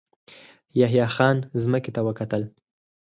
يحيی خان ځمکې ته وکتل.